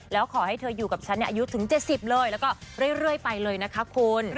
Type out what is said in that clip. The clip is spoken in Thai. แล้วขอให้เธออยู่กับฉันอายุถึง๗๐เลยแล้วก็เรื่อยไปเลยนะคะคุณ